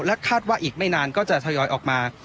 คาดว่าอีกไม่นานก็จะทยอยออกมา